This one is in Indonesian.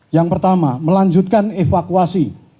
yang pertama melanjutkan evakuasi